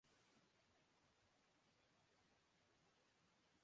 Column میں دومقدمات قائم کیے گئے ہیں۔